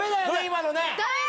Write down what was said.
今のね。